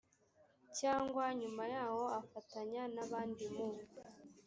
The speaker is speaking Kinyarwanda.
cyangwa nyuma yaho afatanya n abandi mu